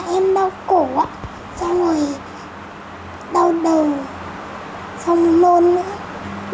em đau cổ đau đầu không nôn nữa